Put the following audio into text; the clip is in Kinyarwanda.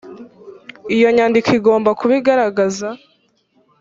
iyo nyandiko igomba kuba igaragaza